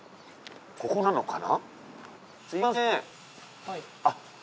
ここなのかな？